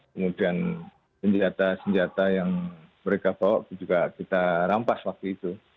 kemudian senjata senjata yang mereka bawa juga kita rampas waktu itu